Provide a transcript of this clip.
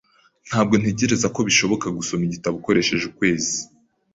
Ntabwo ntekereza ko bishoboka gusoma igitabo ukoresheje ukwezi.